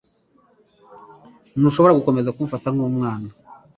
Ntushobora gukomeza kumfata nkumwana.